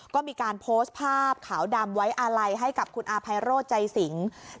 ก็มีการโพสต์ภาพขาวดำไว้อาลัยให้กับคุณอาภัยโรธใจสิง